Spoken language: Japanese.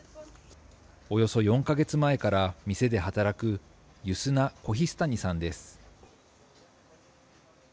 およそ４か月前から店で働くユスナ・コヒスタニさんです。